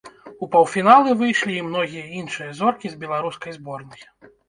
У паўфіналы выйшлі і многія іншыя зоркі з беларускай зборнай.